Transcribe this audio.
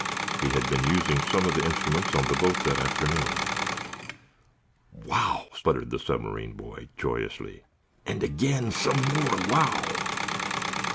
He had been using some of the instruments on the boat that afternoon. "Wow!" sputtered the submarine boy, joyously. "And again some more wow!"